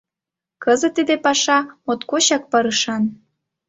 Кызыт тиде паша моткочак парышан.